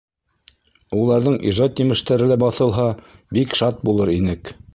Уларҙың ижад емештәре лә баҫылһа, бик шат булыр инек.